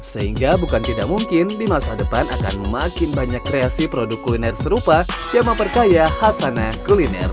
sehingga bukan tidak mungkin di masa depan akan makin banyak kreasi produk kuliner serupa yang memperkaya khasana kuliner